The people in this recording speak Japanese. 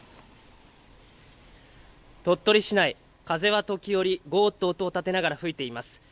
市内、風は時折、ゴーッと音を立てながら吹いています。